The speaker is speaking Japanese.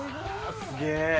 すげえ！